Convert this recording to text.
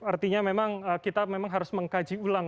artinya memang kita memang harus mengkaji ulang